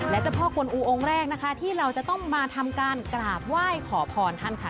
และเจ้าพ่อกวนอูองค์แรกนะคะที่เราจะต้องมาทำการกราบไหว้ขอพรท่านค่ะ